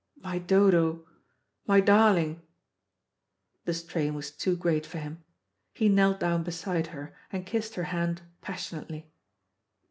My Dodo, my darling." The strain was too great for him. He knelt down beside her, and kissed her hand passionately.